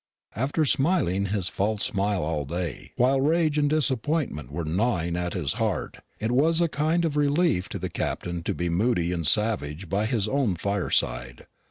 After smiling his false smile all day, while rage and disappointment were gnawing at his heart, it was a kind of relief to the Captain to be moody and savage by his own fireside.